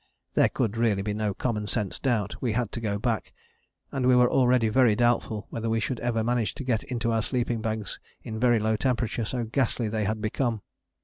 " There could really be no common sense doubt: we had to go back, and we were already very doubtful whether we should ever manage to get into our sleeping bags in very low temperature, so ghastly had they become.